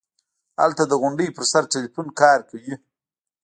هلته د غونډۍ پر سر ټېلفون کار کيي.